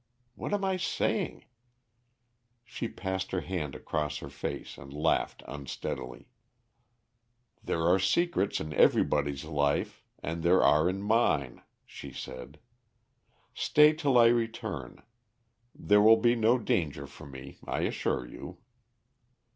What am I saying?" She passed her hand cross her face and laughed unsteadily. "There are secrets in everybody's life and there are in mine," she said. "Stay till I return. There will be no danger for me, I assure you."